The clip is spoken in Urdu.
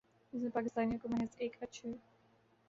جس میں پاکستانیوں کو محض ایک اچھے